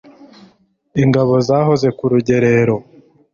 ingabo zahoze ku rugerero